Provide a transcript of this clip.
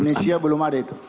indonesia belum ada itu